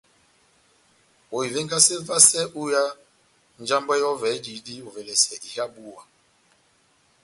Ohivengase vasɛ ó iha njambwɛ yɔvɛ ediyidi ovɛlɛsɛ iha búwa.